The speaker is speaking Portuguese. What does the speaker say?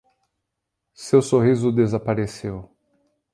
Seu sorriso desapareceu.